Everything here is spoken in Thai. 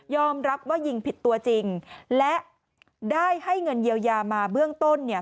รับว่ายิงผิดตัวจริงและได้ให้เงินเยียวยามาเบื้องต้นเนี่ย